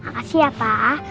makasih ya pak